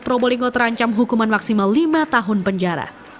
probolinggo terancam hukuman maksimal lima tahun penjara